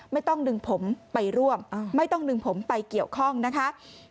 ไม่ต้องดึงผมไปร่วมไม่ต้องดึงผมไปเกี่ยวข้องนะคะ